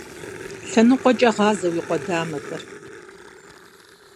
Лъэныкъуэкӏэ гъазэ уи къудамэхэр!